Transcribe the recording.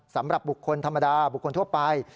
สำหรับบุคคลธรรมดาบุคคลทั่วไป